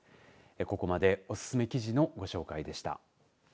ここまでおすすめ記事のご紹介でした。